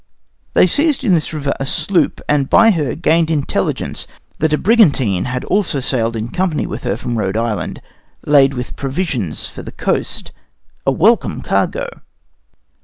They seized in this river a sloop, and by her gained intelligence that a brigantine had also sailed in company with her from Rhode Island, laden with provisions for the coast a welcome cargo!